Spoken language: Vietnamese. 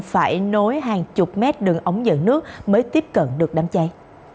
phải nối hàng chục mét đường ống dẫn nước mới tiếp cận được đám cháy